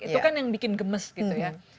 itu kan yang bikin gemes gitu ya